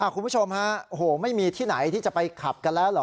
คุณผู้ชมฮะโอ้โหไม่มีที่ไหนที่จะไปขับกันแล้วเหรอ